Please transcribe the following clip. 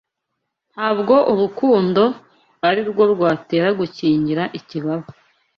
Ntabwo urukundo ari rwo rwatera gukingira ikibaba